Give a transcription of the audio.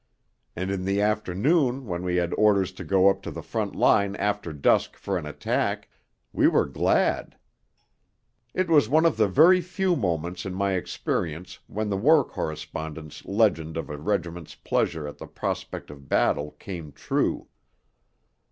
And in the afternoon when we had orders to go up to the front line after dusk for an attack, we were glad. It was one of the very few moments in my experience when the war correspondent's legend of a regiment's pleasure at the prospect of battle came true.